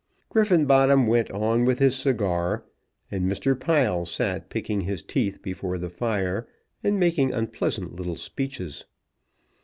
Griffenbottom went on with his cigar, and Mr. Pile sat picking his teeth before the fire, and making unpleasant little speeches.